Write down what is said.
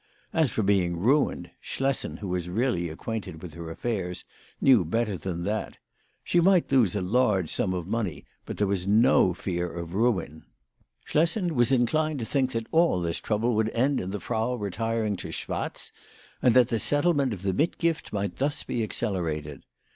As for being ruined, Schlessen, who was really acquainted with her affairs, knew better than that. She might lose a ]arge sum of money, but there was no fear of ruin. Schlessen was inclined to 60 WHY FRAU FROHMANN RAISED HER PRICES. think that all this trouble would end in the Frau re tiring to Schwatz, and that the settlement of the mit gift might thus be accelerated.